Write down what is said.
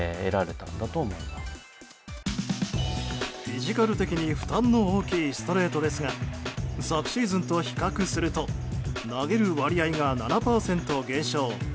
フィジカル的に負担の大きいストレートですが昨シーズンと比較すると投げる割合が７％減少。